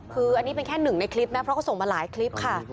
คืออันนี้เป็นแค่หนึ่งในคลิปนะเพราะเขาส่งมาหลายคลิปค่ะ